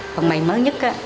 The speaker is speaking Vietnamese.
phần bày mới nhất